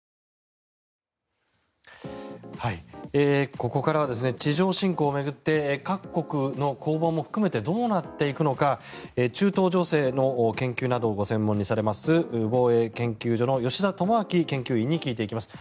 ここからは地上侵攻を巡って各国の攻防も含めてどうなっていくのか中東情勢の研究などをご専門にされます防衛研究所の吉田智聡研究員に聞いていきます。